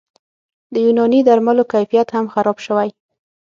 د یوناني درملو کیفیت هم خراب شوی